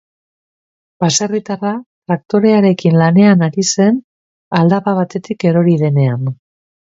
Baserritarra traktorearekin lanean ari zen aldapa batetik erori denean.